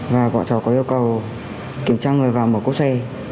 và bọn cháu có yêu cầu kiểm tra người vào một cốt xe